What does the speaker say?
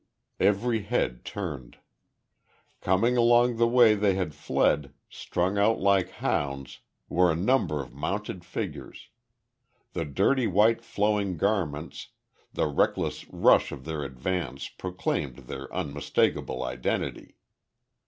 Every head turned. Coming along the way they had fled, strung out like hounds, were a number of mounted figures. The dirty white flowing garments, the reckless rush of their advance proclaimed their unmistakable identity.